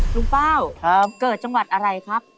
เป้าเกิดจังหวัดอะไรครับ